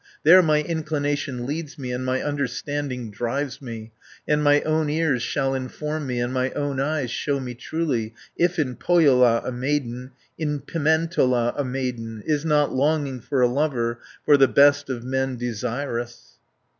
"There my inclination leads me And my understanding drives me, 110 And my own ears shall inform me, And my own eyes show me truly, If in Pohjola a maiden, In Pimentola a maiden, Is not longing for a lover, For the best of men desirous."